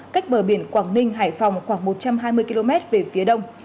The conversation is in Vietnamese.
cách bờ biển quảng ninh hải phòng khoảng một trăm hai mươi km về phía đông